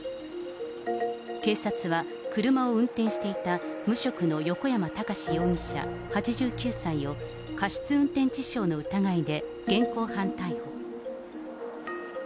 警察は、車を運転していた無職の横山孝容疑者８９歳を、過失運転致傷の疑いで現行犯逮捕。